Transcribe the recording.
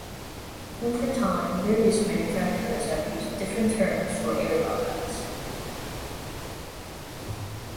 Over time, various manufacturers have used different terms for airbags.